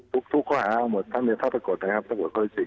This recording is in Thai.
ทุกทุกข้อหาหมดมีภาพปราบเกิดนะครับที่ปรากฏความเกริดจริง